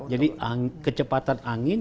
jadi kecepatan angin